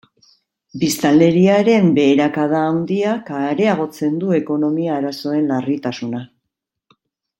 Biztanleriaren beherakada handiak areagotzen du ekonomia arazoen larritasuna.